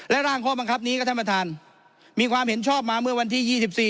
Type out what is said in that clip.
ร่างข้อบังคับนี้ก็ท่านประธานมีความเห็นชอบมาเมื่อวันที่๒๔